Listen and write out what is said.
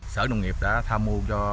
sở nông nghiệp đã tham mưu cho